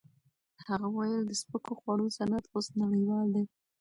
هغه وویل د سپکو خوړو صنعت اوس نړیوال دی.